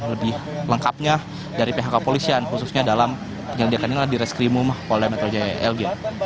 lebih lengkapnya dari pihak kepolisian khususnya dalam penyelidikan nilai di reskrimum polen atau jaya lg